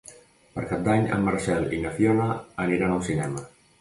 Per Cap d'Any en Marcel i na Fiona aniran al cinema.